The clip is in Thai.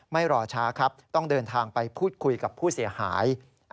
รอช้าครับต้องเดินทางไปพูดคุยกับผู้เสียหาย